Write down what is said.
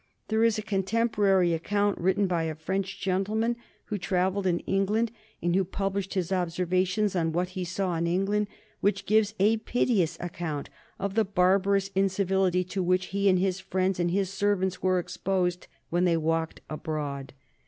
There is a contemporary account written by a French gentleman who travelled in England, and who published his observations on what he saw in England, which gives a piteous account of the barbarous incivility to which he, his friends, and his servants were exposed when they walked abroad.